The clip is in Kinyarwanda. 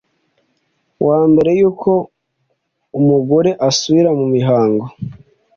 wa mbere y’uko umugore asubira mu mihango